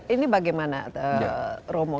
ini bagaimana romo